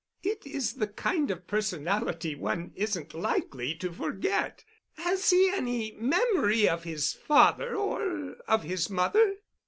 "It is the kind of personality one isn't likely to forget. Has he any memory of his father or—of his mother?"